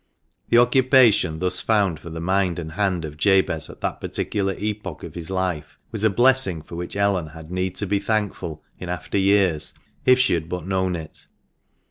The occupation thus found for the mind and hand of Jabez at that particular epoch of his life was a blessing for which Ellen had need to be thankful in after years, if she had but known it.